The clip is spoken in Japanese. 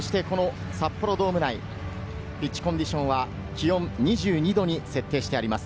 札幌ドーム内、ピッチコンディションは気温２２度に設定してあります。